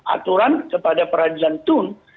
aturan kepada peradilan tun